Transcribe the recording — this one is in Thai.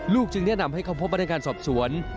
จึงแนะนำให้เข้าพบพนักงานสอบสวน